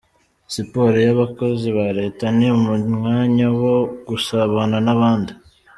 Siporo y’abakozi ba Leta ni umwanya wo gusabana n’abandi